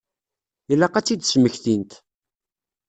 Ilaq ad tt-id-smektint.